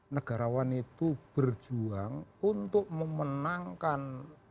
negarawan itu berjuang untuk memenangkan